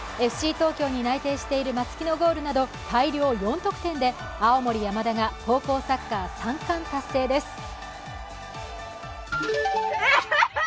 ＦＣ東京に内定している松木のゴールなど大量４得点で青森山田が高校サッカー３冠達成です。